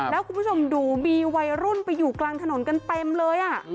แล้วคุณผู้ชมดูมีวัยรุ่นไปอยู่กลางถนนกันเต็มเลย